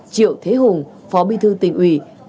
triệu thế hùng phó bí thư tỉnh ủy